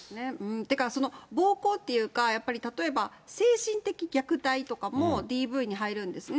ってか暴行というか、例えば精神的虐待とかもＤＶに入るんですね。